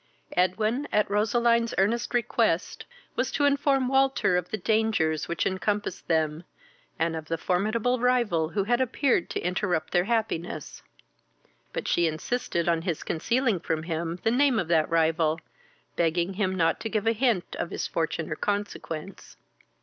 Edwin, at Roseline's earnest request, was to inform Walter of the dangers which encompassed them, and of the formidable rival who had appeared to interrupt their happiness; but she insisted on his concealing from him the name of that rival, begging him not to give a hint of his fortune or consequence.